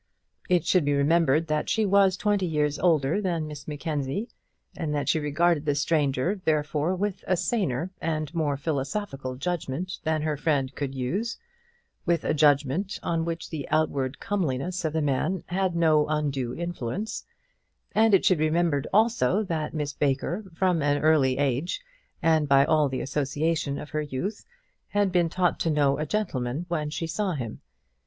It should be remembered that she was twenty years older than Miss Mackenzie, and that she regarded the stranger, therefore, with a saner and more philosophical judgment than her friend could use, with a judgment on which the outward comeliness of the man had no undue influence; and it should be remembered also that Miss Baker, from early age, and by all the association of her youth, had been taught to know a gentleman when she saw him.